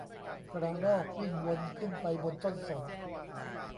กระรอกวิ่งวนขึ้นไปบนต้นสน